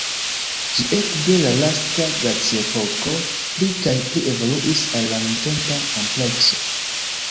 Ĝi ekde la lasta glaciepoko pli kaj pli evoluis al la nuntempa amplekso.